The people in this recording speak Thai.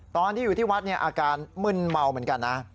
ตอนที่อยู่ที่วัดเนี่ยอาการมึนเมาเหมือนกันนะ